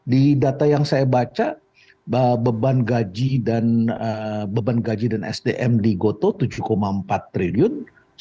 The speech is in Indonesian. di data yang saya baca beban gaji dan sdm di gotoh tujuh empat triliun